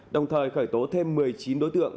đồng thời khởi tố thêm một mươi chín đối tượng